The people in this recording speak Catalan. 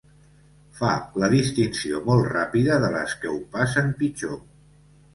Fa la distinció molt ràpida de les que ho passen pitjor.